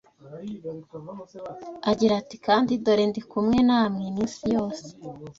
agira ati: “Kandi dore ndi kumwe namwe iminsi yose